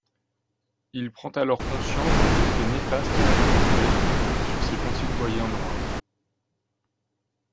Il prend alors conscience des effets néfastes de l'apartheid sur ses concitoyens noirs.